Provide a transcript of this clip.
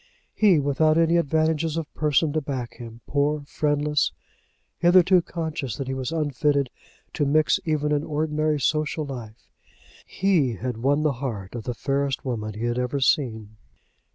He, without any advantage of a person to back him, poor, friendless, hitherto conscious that he was unfitted to mix even in ordinary social life he had won the heart of the fairest woman he had ever seen.